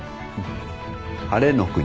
晴れの国。